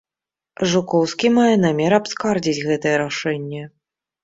Жукоўскі мае намер абскардзіць гэтае рашэнне.